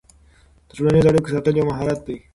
د ټولنیزو اړیکو ساتل یو مهارت دی.